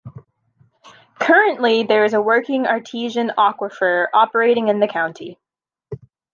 Currently there is a working Artesian aquifer operating in the county.